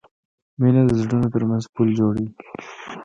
مینه د زړونو ترمنځ پل جوړوي.